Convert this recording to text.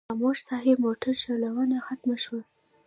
خاموش صاحب موټر چلونه ختمه شوه.